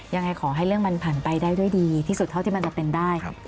ยังไงขอให้เรื่องมันผ่านไปได้ด้วยดีที่สุดเท่าที่มันจะเป็นได้